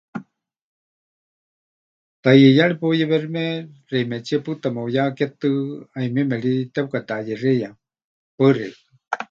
Tayeiyari peuyewexime xeimetsie pɨta meʼuyehaketɨ, ˀayumieme ri tepɨkateʼayexeiya. Paɨ xeikɨ́a.